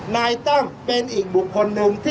นายตั้งเป็นอีกบุคคลหนึ่ง